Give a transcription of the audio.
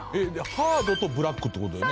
ハードとブラックって事よね？